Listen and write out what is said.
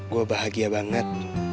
gue bahagia banget